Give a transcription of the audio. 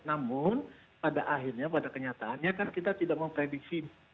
namun pada akhirnya pada kenyataannya kan kita tidak memprediksi